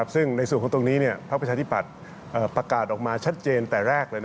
ซึ่งในส่วนของตรงนี้พักประชาธิปัตย์ประกาศออกมาชัดเจนแต่แรกเลย